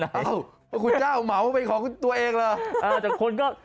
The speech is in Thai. เอ้าคุณเจ้าเหมาะเป็นของตัวเองเหรอ